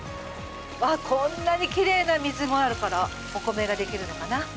こんなにきれいな水があるからお米ができるのかな。